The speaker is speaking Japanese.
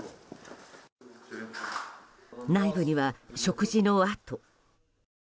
内部には食事の跡。